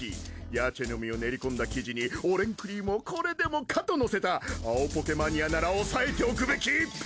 ヤチャの実を練り込んだ生地にオレンクリームをこれでもかとのせた青ポケマニアなら押さえておくべき一品！